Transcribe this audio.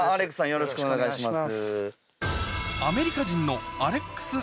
よろしくお願いします。